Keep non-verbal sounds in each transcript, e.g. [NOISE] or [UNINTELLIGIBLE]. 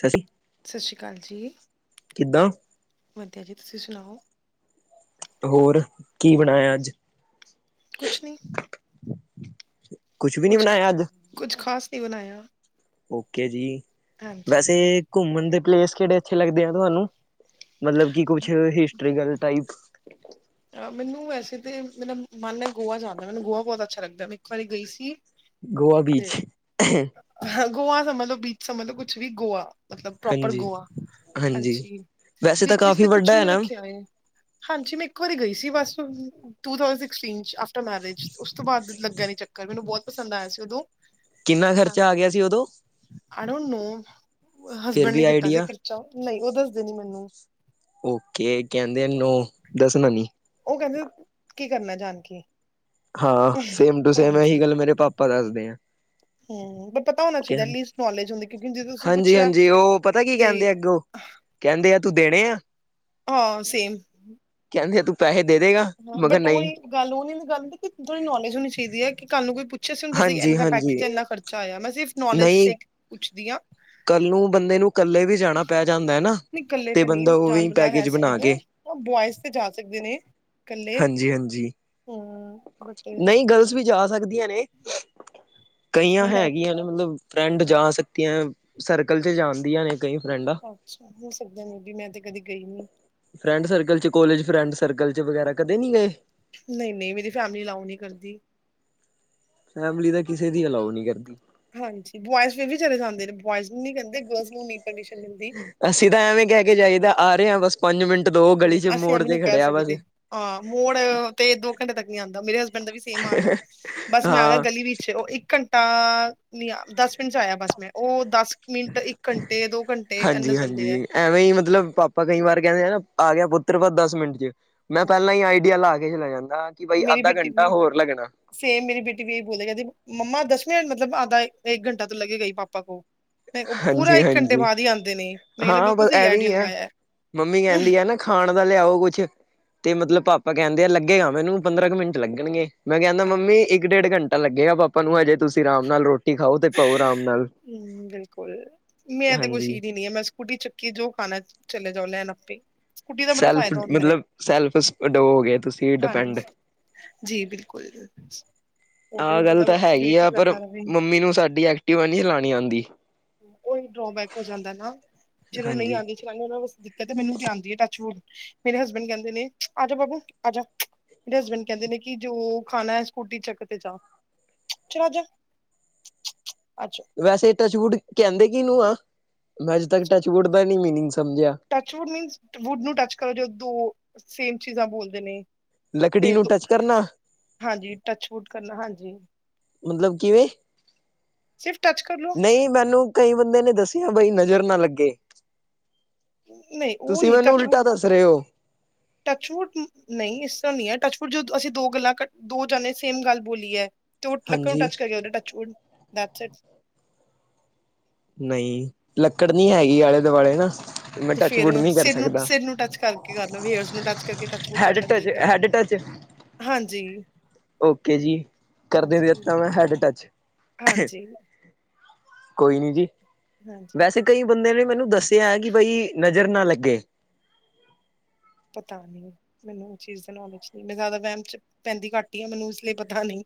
ਸਤਿ ਸ਼੍ਰੀ ਸਤਿ ਸ਼੍ਰੀ ਅਕਾਲ ਜੀ ਕਿੱਦਾਂ ਵਧੀਆ ਜੀ ਤੁਸੀਂ ਸੁਣਾਓ ਹੋਰ ਕੀ ਬਣਾਇਆ ਅੱਜ ਕੁਛ ਨਹੀਂ ਕੁਛ ਵੀ ਨੀ ਬਣਾਇਆ ਅੱਜ ਕੁੱਛ ਖ਼ਾਸ ਨਹੀਂ ਬਣਾਇਆ ਓਕੇ ਜੀ ਹਾਂਜੀ। ਵੈਸੇ ਘੁੰਮਣ ਦੇ ਪਲੇਸ ਕੇੜੇ ਅੱਛੇ ਲੱਗਦੇ ਆ ਤੁਹਾਨੂੰ ਮਤਲਬ ਕਿ ਕੁਛ ਹਿਸਟ੍ਰੀਕਲ ਟਾਈਪ ਅ ਮੈਨੂੰ ਵੈਸੇ ਤੇ ਮੇਰਾ ਮਨ ਹੈ ਗੋਆ ਜਾਣ ਦਾ ਮੈਨੂੰ ਗੋਆ ਬੋਤ ਅੱਛਾ ਲੱਗਦਾ ਮੈਂ ਇੱਕ ਵਾਰੀ ਗਈ ਸੀ ਗੋਆ ਬੀਚ ਹ ਗੋਆ ਦਾ ਮਤਲਬ ਬੀਚ ਸਮਜ ਲੋ ਕੁਛ ਵੀ ਗੋਆ ਮਤਲਬ ਪ੍ਰੋਪਰ ਹਾਂਜੀ ਗੋਆ ਹਾਂਜੀ ਵੈਸੇ ਤਾਂ ਬੀਚਿਸ ਕਾਫ਼ੀ ਤੇ ਕੁਛ ਵੱਡਾ ਵੀ ਹੈ ਨੀ ਨਾ ਰੱਖਿਆ ਹੈ ਹਾਂਜੀ ਮੈਂ ਇੱਕ ਵਾਰੀ ਗਈ ਸੀ ਬਸ two thousand sixteen after marriage ਉਸ ਤੋਂ ਬਾਦ ਲੱਗਿਆ ਨ ਚੱਕਰ ਮੈਨੂੰ ਬੋਤ ਪਸੰਦ ਆਇਆ ਸੀ ਉਦੋਂ ਕਿੰਨਾ ਖਰਚਾ ਆ ਗਿਆ ਸੀ ਉਦੋਂ ਆੜੋ ਨੂੰ ਫਿਰ ਹਸਬੈਂਡ ਵੀ ਨੇ ਕੀਤਾ ਸੀ ਆਈਡੀਆ ਖਰਚਾ ਨਹੀਂ ਉਹ ਦੱਸਦੇ ਨੀ ਮੈਨੂੰ ਓਕੇ ਕੈਂਦੇ ਨ ਉਹ ਦੱਸਣਾ ਨੀ ਉਹ ਕੈਂਦੇ ਕੀ ਕਰਨਾ ਜਾਣ ਕੇ ਹਾਂ ਸੇਮ ਟੂ ਸੇਮ ਹਾਂਜੀ ਇਹੀ ਗੱਲ ਮੇਰੇ ਪਾਪਾ ਦੱਸਦੇ ਆ ਹਮ ਪਰ ਪਤਾ ਹੋਣਾ ਚਾਈਦਾ ਐਲੀਸਟ ਨੌਲੇਜ ਹੁੰਦੀ ਕਿਉਂਕਿ ਜ ਤੁਸੀਂ ਹਾਂਜੀ ਪੁੱਛਿਆ ਤੇ ਕੈਂਦੇ ਆ ਤੂੰ ਦੇਣੇ ਆ ਹਾਂ ਸੇਮ ਕੈਂਦੇ ਆ ਤੂੰ ਪੈਸੇ ਦੇ ਦੇਗਾ ਹਾਂ ਮਗਰ ਬਟ ਨਹੀਂ ਉਹੀ ਗੱਲ ਉਹ ਨਹੀਂ ਹੁੰਦੀ ਗੱਲ ਹੁੰਦੀ ਕਿਜੇੜੀ ਨੋਲੇਜ ਹੋਣੀ ਚਾਹੀਦੀ ਹੈ ਕੱਲ ਨੂੰ ਕੋਈ ਪੁੱਛੇ ਸੀ ਇੰਨਾ ਹਾਂਜੀ-ਹਾਂਜੀ ਪੈਕੇਜ ਐਨਾ ਖਰਚਾ ਚਾਹ ਮੈਂ ਸਿਰਫ ਨੌਲੇਜ ਸ ਨਹੀਂ ਪੁੱਛਦੀ ਹਾਂ ਕੱਲ ਨੂੰ ਬੰਦੇ ਨੂੰ ਕੱਲੇ ਵੀ ਜਾਣਾ ਪੈ ਜਾਂਦਾ ਹੈ ਨਾ ਨੀ ਕੱਲੇ ਤੇ ਨਹੀਂ ਬੰਦਾ ਜਾਣ ਉਵੇਂ ਵਾਲਾ ਹੈ ਪੈਕੇਜ ਬਣਾ ਸੀਨ ਕੇ ਉਹ ਬੋਇਜ਼ ਤੇ ਜਾ ਸਕਦੇ ਨੇ। ਇਕੱਲੇ ਹਾਂਜੀ ਹਾਂਜੀ ਹਮ ਬਟ ਨਹੀਂ ਗਰਲਸ ਵੀ ਜਾ ਸਕਦੀਆਂ ਨੇ ਗਈਆਂ ਮੈਂ ਹੈਗੀਆਂ ਨੇ ਮਤਲਬ ਫਰੈਂਡ ਅੱਛਾ ਜਾ ਸਕਦੀਆਂ ਸਰਕਲ ਚ ਜਾਂਦੀਆਂ ਨੇ ਕਈ ਫਰੈਂਡਾਂ ਅੱਛਾ ਹੋ ਸਕਦਾ ਨੇ ਵੀ ਮੈਂ ਤੇ ਕਦੇ ਗਈ ਨੀ। ਫਰੈਂਡ ਸਰਕਲ ਚ ਕੋਲੇਜ ਫਰੈਂਡ ਸਰਕਲ ਚ ਵਗੈਰਾ ਕਦੇ ਨੀ ਗਏ। ਨਹੀਂ ਨਹੀਂ 'ਮੇਰੀ ਫੈਮਿਲੀ ਅਲਾਓ ਨਹੀਂ ਕਰਦੀ। ਫੈਮਲੀ ਤਾਂ ਕਿਸੇ ਦੀ ਅਲਾਓ ਨੀ ਕਰਦੀ। ਹਾਂਜੀ ਬੋਅਜ਼ ਫਿਰ ਵੀ ਚਲੇ ਜਾਂਦੇ ਨੇ ਬੋਅਜ਼ ਨੂੰ ਨਹੀਂ ਕਹਿੰਦੇ ਗਰ੍ਲ੍ਸ ਨੂੰ ਨਹੀਂ ਪਰਮੀਸ਼ਨ ਮਿਲਦੀ। ਅਸੀਂ ਤਾਂ ਐਵੇਂ ਕਹਿ ਕੇ ਜਾਈਦਾ ਆ ਰਹੇ ਹਾਂ ਬਸ ਪੰਜ ਮਿੰਟ ਦੋ ਗਲੀ ਚ ਅਸੀਂ ਇਹ ਮੋੜ ਵੀ ਨੀ ਤੇ ਕਹਿ ਖੜੇ ਆ ਬਸ। ਸਕਦੇ। ਹਾਂ ਮੋੜ ਤੇ ਦੋ ਘੰਟੇ ਤੱਕ ਨੀ ਆਉਂਦਾ ਮੇਰੇ ਹਸਬੈਂਡ ਬੈਂਡ ਦਾ ਵੀ ਸੇਮ ਹਾਲ ਹੈ ਬਸ ਮੈਂ ਆ ਗਿਆ ਹਾਂ ਗਲੀ ਵਿੱਚ ਉਹ ਇੱਕ ਘੰਟੇ ਟਾ ਨੀ ਦਸ ਮਿੰਟ ਚ ਆਇਆ ਬਸ ਮੈਂ। ਉਹ ਦਸ ਮਿੰਟ ਇੱਕ ਘੰਟੇ ਦੋ ਘੰਟੇ ਇੰਨਾ ਚੱਲਦੇ ਹੈ। ਹਾਂਜੀ-ਹਾਂਜੀ ਐਵੇਂ ਹੀ ਮਤਲਬ ਪਾਪਾ ਕਈ ਵਾਰ ਕਹਿੰਦੇ ਆ ਨਾ ਆ ਗਿਆ ਪੁੱਤਰ ਬਸ ਦਸ ਮਿੰਟ ਚ ਮੈਂ ਪਹਿਲਾਂ ਹੀ ਆਈਡੀਆ ਲਾ ਕੇ ਦੇਖ ਲੈ ਜਾਂਦਾ। ਕਿ ਬਾਈ ਮੇਰੀ ਅੱਧਾ ਬੇਟੀ ਘੰਟਾ ਵੀ ਹੋਰ ਲੱਗਣਾ ਸੇਮ ਮੇਰੀ ਬੇਟੀ ਵੀ ਇਹੀ ਬੋਲਦੇ ਕਹਿੰਦੀ ਮੰਮਾ ਦਸ ਮਿੰਟ ਮਤਲਬ ਆਧਾ ਏਕ ਘੰਟਾ ਤੋਂ ਲੱਗੇਗਾ ਹੀ ਪਾਪਾ ਕੋ। ਨਹੀਂ ਉਹ ਪੂਰਾ ਇੱਕ ਘੰਟੇ ਬਾਅਦ ਹੀ ਆਉਂਦੇ ਨੇ। ਹਾਂ ਹਾਂ ਬਸ ਐਵੇਂ ਹੀ ਹੈ ਮੰਮੀ ਕਹਿੰਦੀ ਹੈ ਨਾ ਨਾ ਖਾਣ ਦਾ ਲਿਆਓ ਕੁੱਛ ਤੇ ਮਤਲਬ ਪਾਪਾ ਕਹਿੰਦੇ ਆ ਲੱਗੇਗਾ ਮੈਨੂੰ ਪੰਦਰਾਂ ਕੁ ਮਿੰਟ ਲੱਗਣਗੇ। ਮੈਂ ਕਹਿੰਦਾ ਮੰਮੀ ਇੱਕ ਡੇਢ ਘੰਟਾ ਲੱਗੇਗਾ ਪਾਪ ਨੂੰ ਹਜੇ ਤੁਸੀਂ ਆਰਾਮ ਨਾਲ ਰੋਟੀ। ਖਾਓ ਤੇ ਪਾਓ ਆਰਾਮ ਨਾਲ ਹਮ ਬਿਲਕੁਲ ਮੈਂ ਤੇ ਕੁਛ ਹਾਂਜੀ ਹੀ ਨੀ ਆ ਮੈਂ ਸਕੂਟੀ ਚੱਕ ਕਿ ਜੋ ਖਾਣਾ ਚਲੇ ਜਾਓ ਲੈਣ ਆਪੇ। ਸਕੂਟੀ ਦਾ ਬੜਾ ਸੈਲਫ ਫਾਇਦਾ ਹੁੰਦਾ ਹੈ, ਮਤਲਬ ਸੈਲਫ ਓ ਹੋ ਗਏ ਤੁਸੀਂ ਹਾਂਜੀ ਡਿਪੈਂਡ। ਜੀ ਬਿਲਕੁਲ। ਉਹ ਤੇ ਆਹ ਗੱਲ ਮਤਲਬ ਤਾਂ ਹੈਗੀ ਵੇਟ ਹੀ ਆ ਪਰ ਕਰਦਾ ਰਹੇ, ਮੰਮੀ ਨੂੰ ਸਾਡੀ ਐਕਟੀਵਾ ਨਹੀਂ ਚਲਾਉਣੀ ਆਉਂਦੀ। ਉਹੀ ਡਰੋਬੈਕ ਹੋ ਜਾਂਦਾ ਨਾ ਜਦੋਂ ਨਹੀਂ ਹਾਂਜੀ ਆਉਂਦੀ ਚਲਾਉਨੀ ਉਹਨਾਂ ਵਾਸਤੇ ਕਹਿੰਦੇ ਮੈਨੂੰ ਤੇ ਆਉਂਦੀ ਟੱਚ ਵੁਡ ਮੇਰੇ ਹਸਬੈਂਡ ਕਹਿੰਦੇ ਨੇ 'ਆਜਾ ਬਾਬੂ ਆਜਾ'। ਮੇਰੇ ਹਸਬੈਂਡ ਕਹਿੰਦੇ ਨੇ ਕਿ ਜੋ ਖਾਣਾ ਹੈ ਸਕੂਟੀ ਚੱਕ ਤੇ ਜਾ ਚਲ ਆਜਾ। ਚੂ ਚੂ ਆਜਾ। ਵੈਸੇ ਟਚਵੁਡ ਕਹਿੰਦੇ ਕੀ ਨੂੰ ਆ ਮੈਂ ਅੱਜੇ ਤੱਕ ਟਚਵੁਡ ਦਾ ਨੀ ਮੀਨਿਗ ਸਮਝਿਆ। ਟੱਚ ਵੁੱਡ ਮੀਨ ਵੁੱਡ ਨੂੰ ਟੱਚ ਕਰੋ ਜਦੋ ਸੇਮ ਚੀਜ਼ਾਂ ਬੋਲਦੇ ਨੇ। ਲੱਕੜੀ ਫੇਰ ਨੂੰ ਦੋ ਟੱਚ ਕਰਨਾ ਹਾਂਜੀ ਟੱਚ ਵੁਡ ਕਰਨਾ ਹਾਂਜੀ। ਮਤਲਬ ਕਿਵੇਂ? ਸਿਰਫ ਟੱਚ ਕਰ ਲੋ ਨਹੀਂ ਮੈਨੂੰ' ਕਈ ਬੰਦੇ ਨੇ ਦੱਸਿਆ ਬਈ ਨਜ਼ਰ ਨਾ ਲੱਗੇ। ਨਹੀਂ ਉਹ ਤੁਸੀਂ ਮੈਨੂੰ ਉਲਟਾ ਦੱਸ ਰਹੇ ਹੋ ਟੱਚਵੁਡ ਨਹੀਂ ਇਸ ਤਰ੍ਹਾਂ ਨਹੀਂ ਹੈ ਟੱਚਵੁਡ ਜਦੋਂ ਅਸੀਂ ਦੋ ਗੱਲਾਂ ਕ ਦੋ ਜਾਣੇ ਸੇਮ ਗੱਲ ਬੋਲੀਏ। ਤੇ ਉਹ ਲੱਕੜ ਨੂੰ ਹਾਂਜੀ ਟੱਚ ਕਰੀਏ ਉ ਟੱਚਵੁਡ ਦੈਟਸ ਇਟ ਨਹੀਂ ਲੱਕੜ ਨਹੀਂ ਹੈਗੀ ਆਲੇ ਦੁਆਲੇ ਨਾ। ਮੈਂ ਤੇ ਫੇਰ ਟੱਚਵੁੱਡ ਨਹੀਂ ਕਰ ਸਿਰ ਨੂੰ ਸਕਦਾ ਸਿਰ ਨੂੰ ਟੱਚ ਕਰਕੇ ਕਰ ਲੋਂ ਹੇਅਰਸ ਨੂੰ ਟੱਚ ਕਰਕੇ ਟੱਚ ਵੁਡ ਕਰ ਹੈਡ ਲੈਂਦੇ ਟੱਚ ਕਈ। ਹੈਡ ਟੱਚ ਹਾਂਜੀ। ਓਕੇ ਜੀ ਕਰਦੇ ਦੇ ਹਾਂਜੀ ਦਿੱਤਾ ਤੇ ਮੈਂ ਹੈਡ ਟੱਚ ਹਾਂਜੀ ਕੋਈ ਨੀ ਜੀ ਹਾਂਜੀ ਵੈਸੇ। ਕਈ ਬੰਦੇ ਨੇ ਮੈਨੂੰ ਦੱਸਿਆ ਕਿ ਬਈ ਨਜ਼ਰ ਨਾ ਲੱਗੇ। ਪਤਾ ਨਹੀਂ। ਮੈਨੂੰ ਉਹ ਚੀਜ਼ ਦਾ ਨੌਲੇਜ ਨਹੀਂ ਮੈਂ ਜ਼ਿਆਦਾ ਵਹਿਮ ਚ ਪੈਂਦੀ ਘੱਟ ਹੀ ਆਂ ਮੈਨੂੰ ਇਸ ਲਿਏ ਪਤਾ ਨਹੀਂ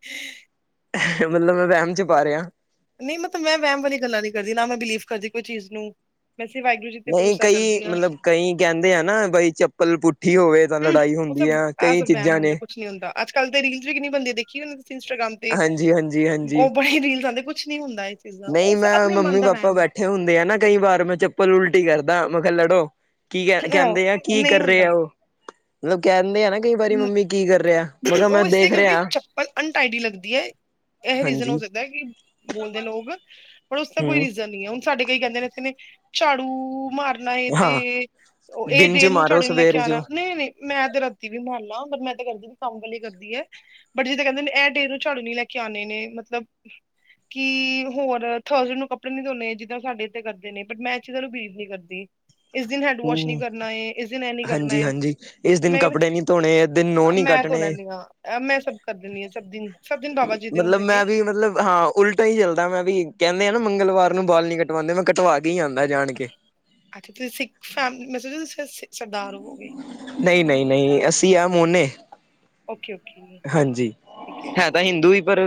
ਮਤਲਬ ਮੈਂ ਵਹਿਮ ਚ ਪਾ ਰਿਹਾ। ਨਹੀਂ ਮਤਲਬ ਮੈਂ ਵਹਿਮ ਵਾਲੀ ਗੱਲਾਂ ਨੀ ਕਰਦੀ ਨਾ ਮੈਂ ਬਿਲੀਵ ਕਰਦੀ ਕੋਈ ਚੀਜ਼ ਨੂੰ। ਬਸ ਵਾਹਿਗੁਰੂ ਜੀ ਤੇ ਨਹੀਂ ਭਰੋਸਾ ਕਈ ਕਰਦੀ ਹਾਂ ਮਤਲਬ ਕਈ ਕਹਿੰਦੇ ਆ ਨਾ ਬਈ ਚੱਪਲ ਪੁੱਠੀ ਹੋਵੇ ਤਾਂ ਹੂੰ, ਲੜਾਈ ਉਹ ਹੁੰਦੀ ਸਭ ਐ। ਇਹ ਕਈ ਸਭ ਵਹਿਮ ਚੀਜ਼ਾਂ ਹੁੰਦਾ ਨੇ। ਕੁਛ ਹੁੰਦਾ ਅੱਜ ਕੱਲ ਤੇ ਰੀਲਜ਼ ਵੀ ਕਿੰਨੇ ਬਣਦੇ ਦੇਖੀ ਦੀਆਂ ਇੰਟਾਗ੍ਰਾਮ ਤੇ ਹਾਂਜੀ ਹਾਂਜੀ ਉਹ ਹਾਂਜੀ। ਬੜੇ ਰੀਲਜ਼ ਆਂਦੇ। ਕੁਛ ਨੀ ਹੁੰਦਾ। ਚੀਜ਼ ਦਾ ਉਹ ਨਹੀਂ ਸ- ਮੈਂ ਆਪਣੇ ਮਨ ਮੰਮੀ ਦਾ ਪਾਪਾ ਵਹਿਮ ਹੈ ਬੈਠੇ ਹੁੰਦੇ ਆ ਨਾ ਕਈ ਵਾਰ ਮੈਂ ਚੱਪਲ ਉਲਟੀ ਕਰਦਾ ਮੈਂ ਕਿਹਾ ਲੜੋ। ਕੀ ਕਹ ਆਹੋ, ਕਹਿੰਦੇ ਆ ਕੀ ਨਹੀਂ ਕਰ ਹੁੰਦਾ ਰਿਹਾ ਉਹ ਮਤਲਬ ਕਹਿੰਦੇ ਆ ਨਾ ਕਈ ਵਾਰੀ ਮੰਮੀ ਕੀ ਕਰ ਰਿਹਾ ਮੈਂ ਹਮ ਕਿਹਾ ਮੈਂ ਉਹ ਇਸ ਲਈ ਦੇਖ ਕਿਉਂਕਿ ਰਿਹਾ ਚੱਪਲ ਅਨਟਾਈਡੀ ਲੱਗਦੀ ਏ। ਇਹ ਰੀਜ਼ਨ ਹੋ ਹਾਂਜੀ। ਸਕਦੈ ਕਿ ਬੋਲਦੇ ਲੋਕ ਬਟ ਉਸਦਾ ਕੋਈ ਹੂੰ ਰੀਜਨ ਨਹੀਂ। ਸਾਡੇ ਕਈ ਕਹਿੰਦੇ ਨੇ ਇਥੇ ਨੇ ਝਾੜੂ ਮਾਰ ਤੇ ਹਾਂ ਇਹ ਦਿਨ ਚ ਦੇਰ ਨੂੰ ਮਾਰੋ ਝਾੜੂ ਨੀ ਲੈ ਕੇ ਸਵੇਰ ਚ ਆਣਾ ਨਹੀਂ ਨਹੀਂ ਮੈਂ ਤੇ ਵੀ ਮੰਨ ਲੋ ਪਰ ਮੈਂ ਤੇ ਕਰਦੀ ਵੀ ਕੰਮ ਵਾਲੀ ਕਰਦੀ ਹੈ। ਬਟ ਜਿਦਾਂ ਕਹਿੰਦੇ ਇਹ ਡੇ ਨੂੰ ਝਾੜੂ ਨੀ ਲੈ ਕੇ ਆਣੇ ਨੇ ਮਤਲਬ ਕਿ ਹੋਰ ਥ੍ਰਸਡੇ ਨੂੰ ਕੱਪੜੇ ਨੀ ਧੋਣੇ ਜਿੱਦਾਂ ਸਾਡੇ ਇੱਥੇ ਕਰਦੇ ਨੇ ਬਟ ਮੈਂ ਇਹ ਚੀਜ਼ਾਂ ਨੂੰ ਬਿਲੀਵ ਨੀ ਕਰਦੀ ਇਸ ਦਿਨ ਹੈਂਡ ਵਾਸ਼ ਨਹੀਂ ਹੂੰ। ਕਰਨਾ ਏ ਇਸ ਦਿਨ ਇਹ ਨੀ ਕਰਨਾ ਏ ਮੈਂ ਨਹੀਂ ਧੋਣੇ ਇਹ ਦਿਨ ਨੋ ਨੀ ਮੈਂ ਧੋ ਕੱਟਣੇ ਲੈਨੀ ਹਾਂ ਮੈਂ ਸਭ ਕਰ ਦਿੰਦੀ ਹਾਂ ਸਭ ਦਿਨ ਸਭ ਦਿਨ ਬਾਬਾ ਜੀ ਦੇ ਮਤਲਬ ਹੁੰਦੇ ਨੇ। ਮੈਂ ਵੀ ਮਤਲਬ ਹਾਂ ਉਲਟਾ ਹੀ ਚੱਲਦਾ ਮੈਂ ਵੀ ਕਹਿੰਦੇ ਆ ਨਾ ਮੰਗਲਵਾਰ ਨੂੰ ਬਾਲ ਨਹੀਂ ਕਟਵਾਂਦੇ ਮੈਂ ਕਟਵਾ ਕੇ ਹੀ ਆਂਦਾ ਜਾਣ ਕੇ ਅੱਛਾ ਤੁਸੀਂ ਸਿੱਖ ਫੈਮਿਲੀ ਨੂੰ [UNINTELLIGIBLE] ਸਰਦਾਰ ਹੋਵੋਗੇ ਨਹੀਂ ਨਹੀਂ ਨਹੀਂ ਅਸੀਂ ਆ ਮੋਨੇ ਓਕੇ ਓਕੇ ਹਾਂਜੀ ਠੀਕ ਹੈ ਹਿੰਦੂ ਹੀ ਪਰ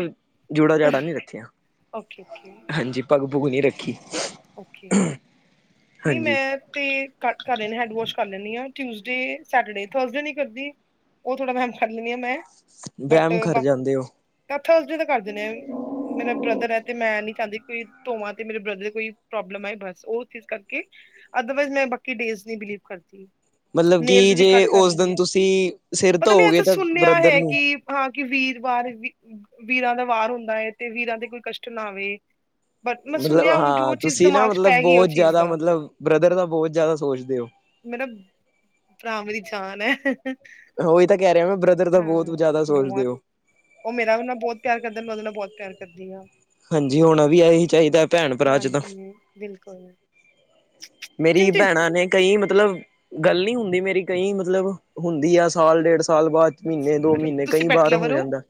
ਜੁੜਾ ਜਾੜਾ ਨਹੀਂ ਰੱਖਿਆ। ਓਕੇ ਓਕੇ ਹਾਂਜੀ ਪੱਗ ਪੁੱਗ ਨੀ ਰੱਖੀ ਨੀ ਹਾਂਜੀ ਮੈਂ ਤੇ ਹੈਂਡ ਵੋਸ਼ ਕਰ ਲੈਂਨੀ ਆਂ ਟਿਊਸਡੇ ਸੈਟਰਡੇ ਥ੍ਰਸਡੇ ਨੀ ਕਰਦੀ ਉਹ ਥੋੜਾ ਵਹਿਮ ਕਰਨੀ ਆ ਮੈਂ ਬਟ ਵਹਿਮ ਕਰ ਪਾਪ ਜਾਂਦੇ ਹੋ ਥ੍ਰਸਡੇ ਦਾ ਕਰਦੇ ਨੇ। ਮੇਰਾ ਬ੍ਰਦਰ ਹੈ ਤੇ ਮੈਂ ਨੀ ਚਾਹੰਦੀ ਬੀ ਧੋਵਾਂ ਤੇ ਮੇਰੇ ਬ੍ਰਦਰ ਕੋਈ ਪ੍ਰੋਬਲਮ ਆਏ ਬਸ ਉਹ ਚੀਜ਼ ਅਦਰਵਾਈਜ਼ ਮੈਂ ਬਾਕੀ ਡੇਜ਼ ਨੀ ਬਿਲੀਵ ਕਰਦੀ। ਮਤਲਬ ਨੇਲਜ਼ ਕਿ ਵੀ ਜੇ ਕੱਟ ਕਰ ਉਸ ਲਿੰਦੇ ਦਿਨ ਤੁਸੀਂ ਸਿਰ ਪਤਾ ਨੀ ਧੋਓਗੇ ਐਸਾ ਤਾਂ ਸੁਣਿਆ ਬ੍ਰਦਰ ਹੈ ਨੂੰ ਕਿ ਹਾਂ ਕਿ ਵੀਰਵਾਰ ਵੀ ਵੀਰਾਂ ਦਾ ਵਾਰ ਹੁੰਦਾ ਏ ਤੇ ਵੀਰਾਂ ਤੇ ਕੋਈ ਕਸ਼ਟ ਨਾ ਆਵੇ। ਬਟ ਮੈਂ ਮਤਲਬ ਸੁਣਿਆ ਹੁਣ ਜੋ ਹਾਂ ਚੀਜ਼ ਤੁਸੀਂ ਨਾ ਦਿਮਾਗ ਚ ਮਤਲਬ ਪੈ ਗਈ ਉਹ ਬਹੁਤ ਚੀਜ਼ ਜ਼ਿਆਦਾ ਦਾ ਮਤਲਬ ਬ੍ਰਦਰ ਦਾ ਬਹੁਤ ਜ਼ਿਆਦਾ ਸੋਚਦੇ ਹੋ। ਮੇਰਾ ਭਰਾ ਮੇਰੀ ਜਾਨ ਐ। ਉਹੀ ਤਾਂ ਕਹਿ ਰਿਹਾ ਵਾਂ ਬ੍ਰਦਰ ਦਾ ਬਹੁਤ ਜ਼ਿਆਦਾ ਸੋਚਦੇ ਬਹੁਤ ਹੋ। ਉਹ ਮੇਰਾ ਵੀ ਨਾਲ ਬਹੁਤ ਪਿਆਰ ਕਰਦੈ ਮੈਂ ਉਹਦੇ ਨਾਲ ਬਹੁਤ ਪਿਆਰ ਕਰਦੀ ਹਾਂ। ਹਾਂਜੀ ਹੋਣਾ ਵੀ ਇਹੀ ਚਾਹੀਦੈ ਭੈਣ ਭਰਾ ਚ ਤਾਂ ਹਾਂਜੀ ਬਿਲਕੁਲ ਮੇਰੀ ਚਿਨ ਚਿਨ ਭੈਣਾਂ ਨੇ ਕਈ ਮਤਲਬ ਗੱਲ ਨੀ ਹੁੰਦੀ ਮੇਰੀ ਕਈ ਮਤਲਬ ਹੁੰਦੀ ਆ ਸਾਲ ਡੇਢ ਸਾਲ ਬਾਅਦ ਮਹੀਨੇ ਦੋ ਅੱਛਾ, ਅੱਛਾ ਮਹੀਨੇ ਤੁਸੀਂ ਕਈ ਪੈਟ ਵਾਰ ਹੋ ਲਵਰ ਜਾਂਦਾ,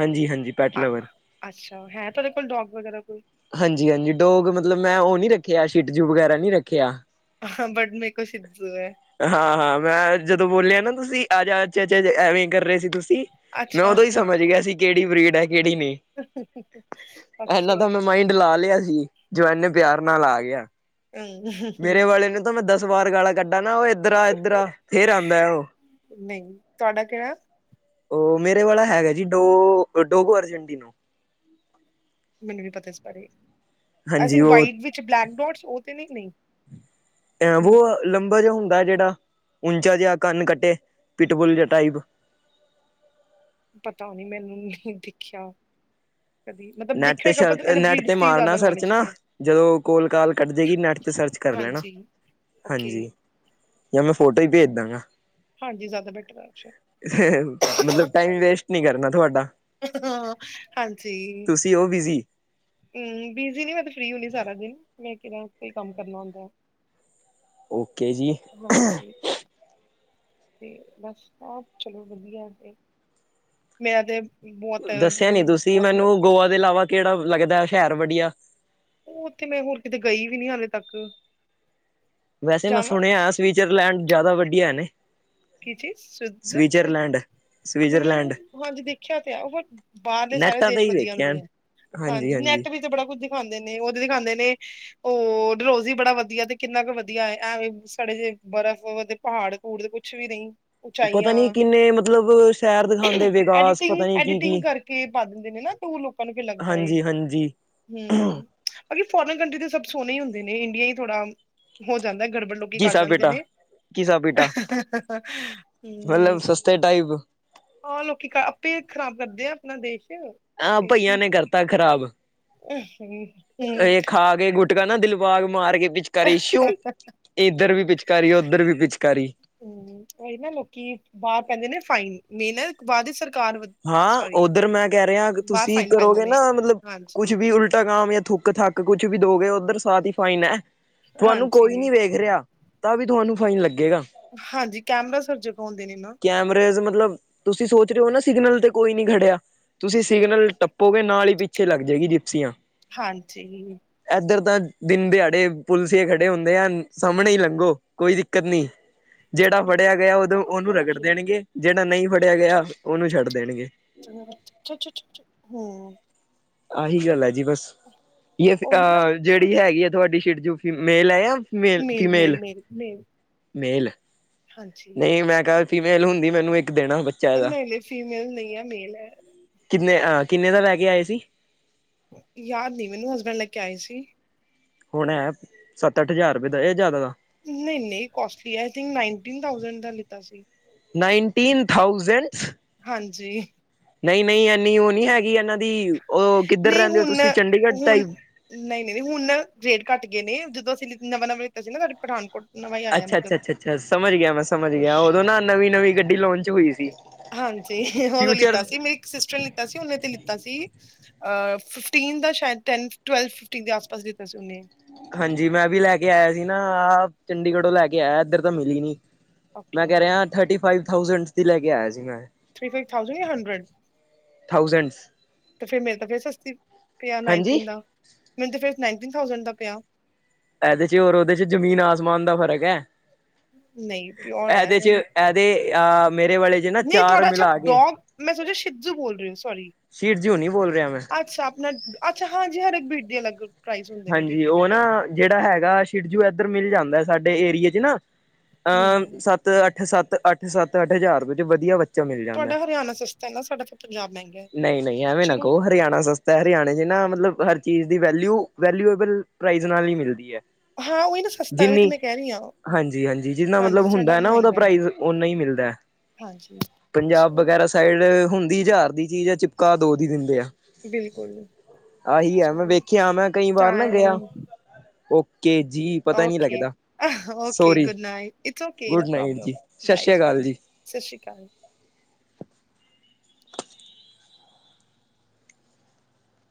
ਹਾਂਜੀ- ਹਾਂਜੀ ਅ- ਪੈਟਲੈਵਰ ਅੱਛਾ ਹੈ ਤੁਹਾਡੇ ਕੋਲ ਡੋਗ ਵਗੈਰਾ ਕੋਈ ਹਾਂਜੀ- ਹਾਂਜੀ ਡੋਗ ਮਤਲਬ ਮੈਂ ਉਹ ਨੀ ਰੱਖਿਆ, ਸ਼ਿਟ ਜੂ ਵਗੈਰਾ ਨੀ ਰੱਖਿਆ ਹਾਂ ਬੜ ਮੇਰੇ ਕੋਲ ਸ਼ਿਟ ਜੂ ਹੈ ਹਾਂ ਹਾਂ ਮੈਂ ਜਦੋਂ ਬੋਲਿਆ ਨਾ ਤੁਸੀਂ ਆਜਚ ਅੱਛਾ ਐਵੇਂ ਕਰ ਰਹੇ ਸੀ ਤੁਸੀਂ ਮੈਂ ਅੱਛਾ, ਉਦੋਂ ਸਮਝ ਗਿਆ ਸੀ ਕਿਹੜੀ ਬਰੀਡ ਹੈ ਕਿਹੜੀ ਨਹੀਂ ਔਖੇ ਮਾਈੰਡ ਲਾ ਲਿਆ ਸੀ, ਜੋ ਇੰਨੇ ਪਿਆਰ ਨਾਲ ਆ ਗਿਆ ਨਹੀ ਹਮ ਮੇਰੇ ਵਾਲੇ ਨੂੰ ਤਾਂ ਮੈਂ ਦਸ ਵਾਰ ਗਾਲਾ ਕੱਢਾ ਨਾ ਉਹ ਇੱਧਰ ਆ ਇੱਧਰ ਆ ਫੇਰ ਆਉਂਦਾ ਆ ਉਹ ਨਹੀਂ, ਤੁਹਾਡਾ ਕਿਹੜਾ ਉਹ ਮੇਰੇ ਵਾਲਾ ਹੈਗਾ ਜੀ ਡੋ ਡੋਗੋ ਅਰਜਨਟੀਨੋ ਮੈਨੂੰ ਨੀ ਪਤਾ ਇਸ ਬਾਰੇ, ਹਾਂਜੀ ਅਸੀ ਉਹ ਵਾਈਟ ਵਿੱਚ ਬਲੈਕ ਡੋਟਸ ਉਹ ਤੇ ਨੀ ਨਹੀਂ ਐ ਵੋ ਮੈਨੂੰ ਲੰਬਾ ਜਿਹਾ ਹੁੰਦਾ ਜਿਹੜਾ, ਉਚਾ ਜਿਹਾ ਕੰਨ ਕੱਟੇ ਪਿਟਬੁਲ ਜਿਹੇ ਟਾਈਪ ਪਤਾ ਨਹੀਂ ਮੈਨੂੰ ਦੇਖਿਆ ਕਦੀ ਮਤਲਬ ਨੈਟ ਦੇਖਿਆ ਤੇ ਹੈਗਾ ਆਪਾਂ ਸ਼ਰ ਇਹ ਨੈਟ ਬ੍ਰਿਡ ਤੇ ਦੀ ਮਾਰਨਾ ਜ਼ਿਆਦਾ ਸਰਚ ਨੌਲੇਜ ਨਾ ਨਹੀਂ ਜਦੋਂ ਕੋਲ ਕਾਲ ਕੱਟ ਹੈਗੀ ਜਾਏਗੀ ਨੈਟ ਤੇ ਸਰਚ ਕਰ ਲੈਣਾ ਹਾਂਜੀ ਓਕੇ ਹਾਂਜੀ, ਜਾਂ ਮੈਂ ਫੋਟੋ ਹੀ ਭੇਜ ਦਾਂਗਾ ਹਾਂਜੀ ਜ਼ਿਆਦਾ ਬੈਟਰ ਹੈ। ਮਤਲਬ ਟਾਈਮ ਵੇਸਟ ਨੀ ਕਰਨਾ ਤੁਹਾਡਾ ਹਾਂ ਹਾਂਜੀ ਤੁਸੀਂ ਉਹ ਬਿਜ਼ੀ ਹਮ ਬਿਜੀ ਨੀ ਮੈਂ ਤੇ ਫਰੀ ਹੁੰਦੀ ਸਾਰਾ ਦਿਨ ਮੈਂ ਕਿਹੜਾ ਕੋਈ ਕੰਮ ਕਰਨਾ ਹੁੰਦਾ ਓਕੇ ਜੀ ਹਾਂਜੀ ਤੇ ਬਸ ਸਭ ਚਲੋ ਵਧੀਆ ਤੇ ਮੈਂ ਤੇ ਦੱਸਿਆ ਨੀ ਮੈਨੂੰ ਤੁਸੀਂ ਬਹੁਤ ਲ ਮੈਨੂੰ ਗੋਆ ਦੇ ਇਲਾਵਾ ਕਿਹੜਾ ਲੱਗਦਾ ਸ਼ਹਿਰ ਬੜੀਆ ਉਹ ਉੱਥੇ ਮੈਂ ਹੋਰ ਕਿਤੇ ਗਈ ਵੀ ਨੀ ਹਾਲੇ ਤੱਕ ਵੈਸੇ ਮੈਂ ਜਾਵਾਂ ਸੁਣਿਆ ਸਵਿਜਰਲੈਂਡ ਜ਼ਿਆਦਾ ਵੱਡੀਆ ਨੇ ਕੀ ਚੀਜ ਸਵਿਟਜ਼ਰਲੈਂਡ ਸਵਿਜ਼ਰਲੈਂਡ ਸਵਿਜ਼ਰਲੈਂਡ ਹਮ ਹਾਂਜੀ ਦੇਖਿਆ ਤੇ ਹੈ ਉਹ ਬਾਹਰਲੇ ਸਾਰੇ ਦੇਸ਼ ਵਧੀਆ ਹੁੰਦੇ ਹੈ ਹਾਂਜੀ ਹਾਂ ਨੈੱਟ ਵਿੱਚ ਬੜਾ ਕੁਝ ਦਿਖਾਉਂਦੇ ਨੇ ਉਹ ਦਿਖਾਉਂਦੇ ਨੇ ਉਹ ਡਲਰੋਜ਼ੀ ਬੜਾ ਵਧੀਆ ਤੇ ਕਿੰਨਾ ਕ ਵਧੀਆ ਐਵੇ ਸੜੇ ਜਿਹੇ ਬਰਫ਼ ਤੇ ਪਹਾੜ ਪਕੂੜ ਤੇ ਕੁੱਛ ਵੀ ਨਹੀਂ ਪਤਾ ਉਚਾਈਆਂ ਨੀ ਕਿੰਨੇ ਮਤਲਬ ਸ਼ਹਿਰ ਦਿਖਾਉਂਦੇ ਵਿਕਾਸ ਐਡੀਟਿੰਗ ਪਤਾ ਨੀ ਕੀ-ਕੀ ਐਡੀਟਿੰਗ ਕਰਕੇ ਪਾ ਦਿੰਦੇ ਨੇ ਨਾ ਟੂਰ ਲੋਕ ਹਾਂਜੀ- ਹਾਂਜੀ ਹਮ ਬਾਕੀ ਫੋਰਨ ਕੰਟਰੀ ਦੇ ਸਭ ਸੋਹਣੇ ਹੀ ਹੁੰਦੇ ਨੇ, ਇੰਡੀਆ ਹੀ ਥੋੜ੍ਹਾ ਹੋ ਜਾਂਦਾ ਗੜਬੜ, ਲੋਕੀ ਕਰ ਘੀਸਾ ਜਾਂਦੇ ਪੇਟਾ ਨੇ ਘੀਸਾ ਪੇਟਾ ਮਤਲਬ ਸਸਤੇ ਟਾਈਪ ਆਹ ਲੋਕੀ ਆਪੇ ਖ਼ਰਾਬ ਕਰਦੇ ਆ ਆਪਣਾ ਦੇਸ਼ ਆਹ ਤੇ ਭਈਆਂ ਕੀ ਨੇ ਕਰਤਾ ਖਰਾਬ ਹੂੰ ਇਹ ਖਾ ਕੇ ਗੁ ਗੁਟਕਾ ਨਾ ਦਿਲਬਾਗ ਮਾਰ ਕੇ ਪਿਚਕਾਰੀ ਸ਼ੂ ਇੱਧਰ ਵੀ ਪਿਚਕਾਰੀ ਉੱਧਰ ਵੀ ਪਿਚਕਾਰੀ ਹਮ, ਇਹ ਨਾ ਲੋਕੀ ਬਾਹਰ ਪੈਂਦੇ ਨੇ ਫਾਈਨ ਮੇ ਨਾ ਬਾਹਰ ਦੀ ਸਰਕਾਰ ਵ- ਹਾਂ ਸੋਰੀ ਉੱਧਰ ਮੈਂ ਕਹਿ ਰਿਹਾ, ਬਾਹਰ ਤੁਸੀਂ ਫਾਈਨ ਪੈਂਦੇ ਕਰੋਗੇ ਨੇ ਨਾ ਮਤਲਬ ਕੁਛ ਹਾਂਜੀ ਵੀ ਉਲਟਾ ਕਾਮ ਜਾਂ ਥੁੱਕ ਥੱਕ। ਕ ਕੁਛ ਵੀ ਦੋਗੇ ਉੱਧਰ ਸਾਥ ਹੀ ਫਾਈਨ ਹੈ ਤੁਹਾਨੂੰ ਕੋਈ ਹਾਂਜੀ ਨੀ ਵੇਖ ਰਿਹਾ ਤਾਂ ਵੀ ਤੁਹਾਨੂੰ ਫਾਈਨ ਲੱਗੇਗਾ ਹਾਂਜੀ ਕੈਮਰਾ ਸਿਰਜਗਾਉਂਦੇ ਨੇ ਨਾ ਕੈਮਰੇਜ਼ ਮਤਲਬ ਤੁਸੀਂ ਸੋਚ ਰਹੇ ਹੋ ਨਾ ਸਿਗਨਲ ਤੇ ਕੋਈ ਨੀ ਖੜਿਆ ਤੁਸੀਂ ਸਿਗਨਲ ਟਪ ਪੋਵੇ ਨਾਲ ਹੀ ਪਿੱਛੇ ਲੱਗ ਜਾਏਗੀ ਜਿਪਸੀਆਂ ਹਾਂਜੀ ਇੱਧਰ ਤਾਂ ਦਿਨ ਦਿਹਾੜੇ ਪੁਲਸੀਏ ਖੜੇ ਹੁੰਦੇ ਆ ਸਾਹਮਣੇ ਹੀ ਲੰਘੋ ਕੋਈ ਦਿੱਕਤ ਨਹੀਂੀ ਜਿਹੜਾ ਫੜਿਆ ਗਿਆ ਉਦੋਂ ਉਹਨੂੰ ਰਗੜ ਦੇਣਗੇ ਜਿਹੜਾ ਨਹੀਂ ਫੜਿਆ ਗਿਆ ਉਹਨੂੰ ਛੱਡ ਦੇਣਗੇ [UNINTELLIGIBLE] ਆਹੀ ਗੱਲ ਹੈ ਜੀ ਬਸ ਉਹੀ ਨਾ ਇਹਹ ਜਿਹੜੀ ਹੈਗੀ ਆ ਤੁਹਾਡੀ ਸ਼ੀਡ ਜੌ ਫੀ ਮੇਲ ਹੈ ਆ ਮੇਲ ਫੀਮੇਲ ਮੇਲ-ਮੇਲ-ਮੇਲ-ਮੇਲ ਮੇਲ ਹਾਂਜੀ ਨਹੀਂ ਮੈਂ ਕਿਹਾ ਫੀਮੇਲ ਹੁੰਦੀ ਮੈਨੂੰ ਇੱਕ ਦੇਣਾ ਬ ਨਹੀਂ ਨਹੀਂ ਫੀਮੇਲ ਨਹੀਂ ਹੈ ਮੇਲ ਹੈ ਕਿੰਨੇ ਅਹ ਕਿੰਨੇ ਦਾ ਲੈ ਕੇ ਆਏ ਸੀ ਯਾਦ ਨੀ ਮੈਨੂੰ ਹਸਬੈਂਡ ਲੈ ਕੇ ਆਏ ਸੀ ਹੁਣ ਐ ਸੱਤ ਅੱਠ ਹਜ਼ਾਰ ਰੁਪਏ ਦਾ ਇਹ ਜ਼ਿਆਦਾ ਦਾ ਨਹੀਂ ਨਹੀਂ ਕੋਸਟਲੀ ਹੈ ਇ ਥਿੰਕ ਨਈਂਨਟੀਂਨ ਥੋਸੰਡ ਦਾ ਲਿੱਤਾ ਸੀ ਨਾਈਨਟੀਨ ਥਾਊਜੈਂਡ ਹਾਂਜੀ, ਨਹੀਂ ਨਹੀਂ ਐਨੀ ਉਹ ਨਹੀਂੀ ਹੈਗੀ ਇਹਨਾਂ ਦੀ ਉਹ ਕਿੱਧਰ ਰਹਿੰਦੇ ਹੋ ਤੁਸੀਂ ਚੰਡੀਗੜ੍ਹ ਤਾਈ ਨਈ ਨਈ, ਹੁਨ ਰੇਟ ਘੱਟ ਗਏ ਨੇ ਜਦੋ ਅਸੀ ਨਵਾਂ ਨਵਾਂ ਲਿਤਾ ਸੀ ਨਾ ਸਾਡੇ ਪਠਾਨਕੋਟ ਨਵਾਂ ਹੀ ਆਇਆ ਅੱਛਾ ਅੱਛਾ ਮਤਲਬ ਅੱਛਾ ਅੱਛਾ, ਸਮਝ ਗੇਆ ਮੈ, ਸਮਝ ਗਿਆ ਓਦੋ ਨਾ ਨਵੀ ਨਵੀ ਗੱਡੀ ਲਾਂਚ ਹੋਈ ਸੀ। ਹਾਂਜੀ, ਓਦੋ ਫਿਊਚਰ ਲਿੱਤਾ ਸੀ ਮੇਰੇ ਇੱਕ ਸਿਸਟਰ ਨੇ ਲਿਤਾ ਸੀ, ਓਨੇ ਤੇ ਲਿੱਤਾ ਸੀ ਅਹ ਫਿਫਟੀਨ ਦਾ ਸ਼ੈਦ, ਟੈਨ, ਟਵੈਲਵ ਫਿਫਟੀਨ ਦੇ ਆਸ ਪਾਸ ਦਿੱਤਾ ਸੀ ਉਨੇ। ਹਾਂਜੀ, ਮੈਂ ਵੀ ਲੈ ਕੇ ਆਇਆ ਸੀ ਨਾ ਆ ਚੰਡੀਗੜ੍ਹ ਤੋ ਲੈ ਕੇ ਆਇਆ, ਏਧਰ ਤਾਂ ਮਿਲੀ ਨੀ। ਮੈਂ ਓਕੇ ਕੈ‍ ਰੇਆ ਥਰਟੀ ਫਾਈਵ ਥਾਉਜੈਂਡਸ ਦੀ ਲੈ ਕੇ ਆਇਆ ਸੀ ਮੈ। ਥ੍ਰੀ ਫਾਈਵ ਥਾਉਜੈਂਡ ਯਾ ਹੰਡਰੇਡ? ਥਾਊਜੈਂਡਸ। ਤੇ ਫੇਰ ਮੇਰੇ ਤਾਂ ਫੇਰ ਸਸਤੀ ਪੇਆ ਹਾਂਜੀ ਨਾਈਨਟੀਨ ਦਾ। ਮੈਨੂੰ ਤਾ ਫੇਰ ਨਾਈਨਟੀਨ ਥਾਊਜੈਂਡ ਦਾ ਪੇਆ। ਐਦੇ ਚ ਓਰ ਉਦੇ ਚ ਜਮੀਨ ਆਸਮਾਨ ਦਾ ਫਰਕ ਐ, ਨਹੀਂ ਪਿਓਰ ਹੈ ਐਦੇ ਇਹ ਵੀ ਚ ਤੇ, ਅ ਮੇਰੇ ਵਾਲੇ ਜੇ ਨਾ ਨਹੀਂ ਚਾਰ ਤੁਹਾਡਾ ਅੱਛਾ ਮਿਲਾ ਕੇ ਡੋਗ ਮੈਂ ਸੋਚੇਆ ਸ਼ਿਜੂ ਬੋਲ ਰ ਓ, ਸੋਰੀ ਸਿਤਜੂ ਨੀ ਬੋਲ ਰੇਆ ਮੈ। ਅੱਛਾ ਆਪਣਾ, ਅੱਛਾ ਹਾਂਜੀ, ਹਰ ਏਕ ਬੀਟ ਦੀ ਅਲੱਗ ਪ੍ਰਾਈਜ ਹੁੰਦੇ ਨੇ, ਠੀਕ ਐ, ਠੀਕ ਐ। ਜੇੜਾ ਹੈਗਾ ਛਿ੍ਜੂ ਏਧਰ ਮਿਲ ਜਾਂਦਾ ਸਾਡੇ ਏਰੀਏ ਚ ਨਾ, ਅਹ ਹਮ ਸਤ ਅੱਠ, ਸੱਤ ਅੱਠ, ਸੱਤ ਅੱਠ ਹਜਾਰ ਵਿੱਚ ਵਦੀਆ ਬ ਚਾ ਮਿਲ ਜਾਂਦਾ, ਤੁਹਾਡਾ ਹਰਿਆਣਾ ਸਸਤਾ ਹੈ ਨਾ ਸਾਡਾ ਫਿਰ ਪੰਜਾਬ ਮਹਿੰਗਾ ਹੈ ਨਈ ਨਈ ਐਵੇਂ ਨਾ ਚਲੋ ਕਹੋ ਹਰਿਆਣਾ ਸਸ ਹਰਿਆਣੇ ਚੇ ਨਾ, ਮਤਲਬ ਹਰ ਚੀਜ ਦੀ ਵੈਲਯੁ ਵੈਲਯੁਬਲ ਪ੍ਰਾਈਜ ਨਾਲ ਹੀ ਮਿਲਦੀ ਐ। ਹਾਂ ਓਹੀ ਨਾ ਸਸਤਾ ਏ, ਓਹੀ ਤੇ ਮੈ ਕੈ ਰਈ ਆ। ਹਾਂਜੀ, ਹਾਂਜੀ, ਜਿੰਨਾ ਮਤਲਬ ਹੁੰਦਾ ਨਾ ਓਦਾ ਹੈ ਪ੍ਰਾਈਜ਼, ਓਨਾ ਹੀ ਮਿਲਦੈ। ਹਾਂਜੀ। ਅਬ ਚਲੋ ਵਗੈਰਾ ਸਾਈਡ ਹੁੰਦੀ ਜ਼ਾਰ ਦੀ ਚੀਜ਼ ਐ, ਚਿਪਕਾ ਦੋ ਦੀ ਦਿੰਦੇ ਆ। ਬਿਲਕੁਲ ਆਹੀ ਹੈ ਨਾ, ਮੈ ਚਲੋ ਵੇਖੇਆ ਮੈ ਕਈ ਵਾਰ ਨਾ ਗਿਆ ਓ ਸੋਰੀ ਗੁੱਡ ਨਾਈਟ ਜੀ ਸਤਿ ਸ੍ਰੀ ਅਕਾਲ [UNINTELLIGIBLE] ਜੀ। ਸਸ਼੍ਰੀਕਾਲ।